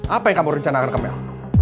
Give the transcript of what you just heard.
apa yang kamu rencanakan ke mel